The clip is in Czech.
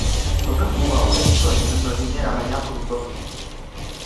Povrch úvalu je členěn mnohými rameny a průtoky.